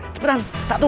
ucap lah kamu